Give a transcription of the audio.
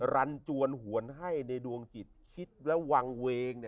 รันจวนหวนให้ในดวงจิตคิดและวางเวง